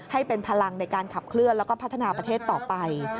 ให้เป็นพลังในการขับเคลื่อนแล้วก็พัฒนาประเทศต่อไป